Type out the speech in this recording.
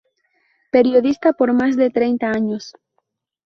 Periodista por más de treinta años.